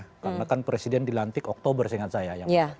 karena kan presiden dilantik oktober seingat saya